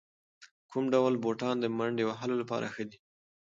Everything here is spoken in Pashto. کوم ډول بوټان د منډې وهلو لپاره ښه دي؟